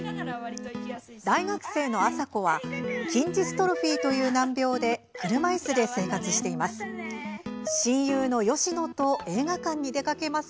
大学生の朝子は筋ジストロフィーという難病で車いすで生活しています。